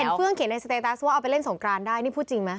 เฟื่องเขียนในสเตตัสว่าเอาไปเล่นสงกรานได้นี่พูดจริงไหม